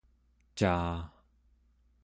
caa